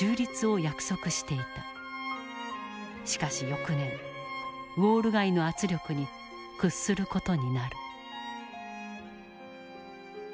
しかし翌年ウォール街の圧力に屈する事になる。